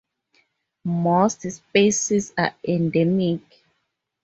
Most species are endemic.